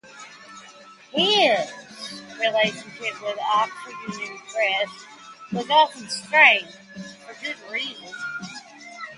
His relationship with the Oxford University Press was often strained.